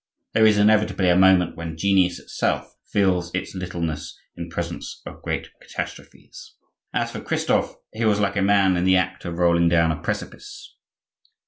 There is, inevitably, a moment when genius itself feels its littleness in presence of great catastrophes. As for Christophe, he was like a man in the act of rolling down a precipice.